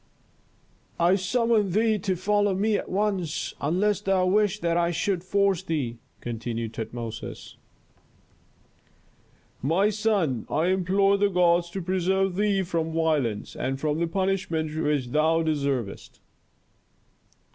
"I summon thee to follow me at once, unless thou wish that I should force thee," continued Tutmosis. "My son, I implore the gods to preserve thee from violence, and from the punishment which thou deservest."